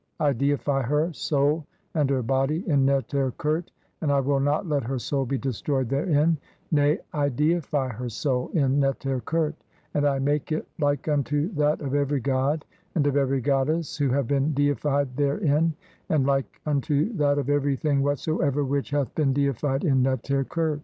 I deify her "soul and her body in Neter khert, and I will not let "her soul be destroyed therein ; nay, I deify her soul "in Neter khert, [and I make it] like unto that of every "god and of every goddess who have been deified there "in, and like unto that of everything whatsoever which "hath been deified in Neter khert.